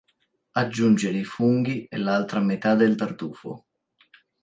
Aggiungere i funghi e l'altra metà del tartufo.